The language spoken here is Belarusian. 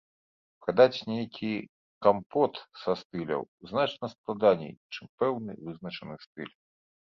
Прадаць нейкі кампот са стыляў значна складаней, чым пэўны вызначаны стыль.